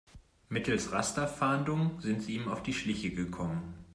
Mittels Rasterfahndung sind sie ihm auf die Schliche gekommen.